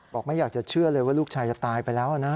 ไม่อยากจะเชื่อเลยว่าลูกชายจะตายไปแล้วนะ